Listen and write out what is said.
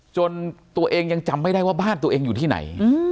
จนตัวเองยังจำไม่ได้ว่าบ้านตัวเองอยู่ที่ไหน